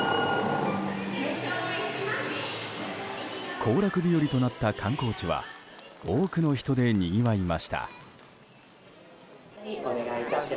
行楽日和となった観光地は多くの人でにぎわいました。